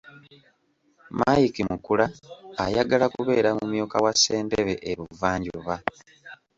Mike Mukula ayagala kubeera mumyuka wa ssentebe e Buvanjuba.